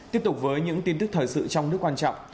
tiếp tục với những tin tức thời sự trong nước quan trọng